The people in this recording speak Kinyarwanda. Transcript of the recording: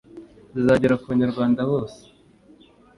zizagera ku banyarwanda bose.